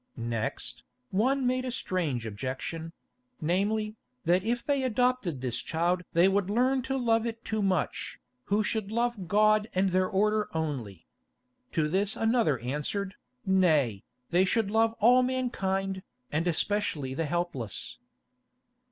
Next, one made a strange objection—namely, that if they adopted this child they would learn to love it too much, who should love God and their order only. To this another answered, Nay, they should love all mankind, and especially the helpless.